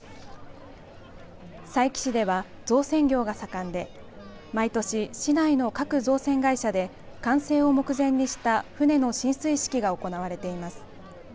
佐伯市では造船業が盛んで毎年、市内の各造船会社で完成を目前にした船の進水式が行われています。